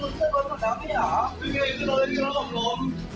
เสียงเข้ามาในร้านก๋วยเตี๋ยวด้วยทางนี้